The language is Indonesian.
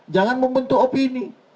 jangan membentuk opini